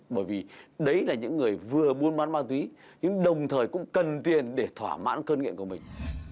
bởi vì đấy là những người vừa buôn man ma túy nhưng đồng thời cũng cần tiền để thỏa mãn cơn nghiện của mình